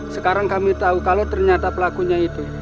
sekarang kami tahu kalau ternyata pelakunya itu